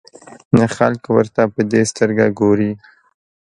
نه خلک ورته په دې سترګه ګوري.